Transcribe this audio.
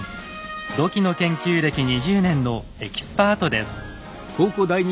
土器の研究歴２０年のエキスパートです。